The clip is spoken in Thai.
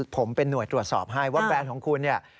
ผมเป็นหน่วยตรวจสอบให้ว่าแบรนด์ของคุณเนี่ย